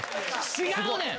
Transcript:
違うねん！